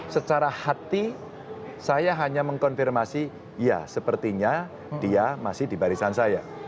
secara hati saya hanya mengkonfirmasi ya sepertinya dia masih di barisan saya